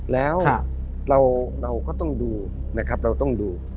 แล้วเราก็ต้องดูนะครับ